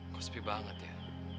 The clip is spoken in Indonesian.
kusipi banget ya